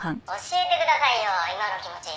「教えてくださいよ今の気持ち」